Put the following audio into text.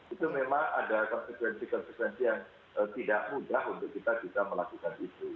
itu memang ada konsekuensi konsekuensi yang tidak mudah untuk kita juga melakukan itu